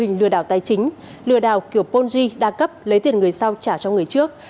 hình lừa đảo tài chính lừa đảo kiểu poly đa cấp lấy tiền người sau trả cho người trước